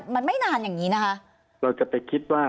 มันไม่นานอย่างนี้นะคะ